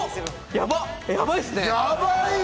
やば、やばいですね！